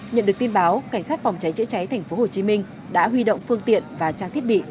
nhận được tin báo cảnh sát phòng cháy chữa cháy tp hcm đã huy động phương tiện và trang thiết bị